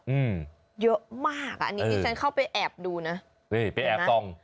อืมเยอะมากอ่ะอันนี้ที่ฉันเข้าไปแอบดูนะนี่ไปแอบส่อง